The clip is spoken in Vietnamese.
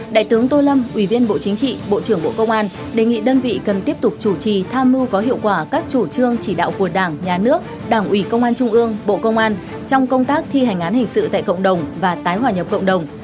đại tướng tô lâm ủy viên bộ chính trị bộ trưởng bộ công an đề nghị đơn vị cần tiếp tục chủ trì tham mưu có hiệu quả các chủ trương chỉ đạo của đảng nhà nước đảng ủy công an trung ương bộ công an trong công tác thi hành án hình sự tại cộng đồng và tái hòa nhập cộng đồng